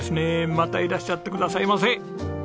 またいらっしゃってくださいませ！